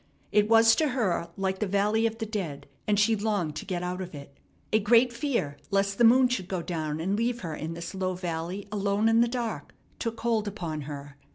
It was to her like the valley of the dead, and she longed to get out of it. A great fear lest the moon should go down and leave her in this low valley alone in the dark took hold upon her.